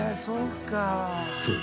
［そう。